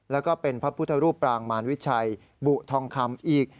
แล้วก็เป็นพระพุทธรูปปรางมารวิชัยบุทองคำอีก